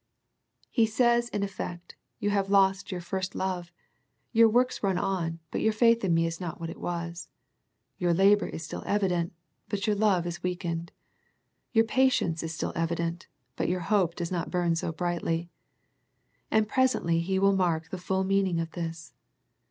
He says in effect, You have lost your 46 A First Century Message first love, your works run on, but your faith in Me is not what it was, your labour is still evident, but the love is weakened; your pa tience is still evident, but your hope does not bum so brightly. And presently He will mark the full meaning of this.